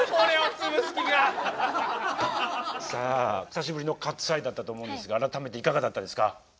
さあ久しぶりの「カッツ・アイ」だったと思うんですが改めていかがだったですか？